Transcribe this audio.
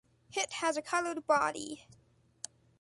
Hit has a colored body.